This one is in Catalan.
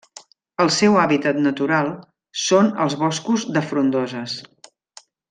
El seu hàbitat natural són els boscos de frondoses.